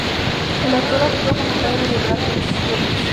El actor actuó como padre de Braff en "Scrubs".